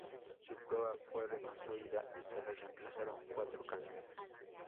Su proa fue reconstruida y se le reemplazaron cuatro calderas.